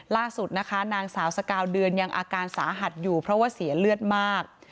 ล่าสุดนะคะนางสาวสกาวเดือนยังอาการสาหัสอยู่เพราะว่าเสียเลือดมาก